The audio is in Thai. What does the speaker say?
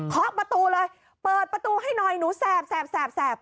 ขอประตูเลยเปิดประตูให้หน่อยหนูแสบ